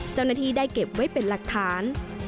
เจ้าหน้าที่ได้เก็บไว้เป็นหลักฐาน